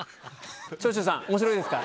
長州さん面白いですか？